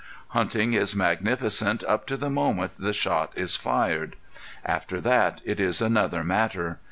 Hunting is magnificent up to the moment the shot is fired. After that it is another matter.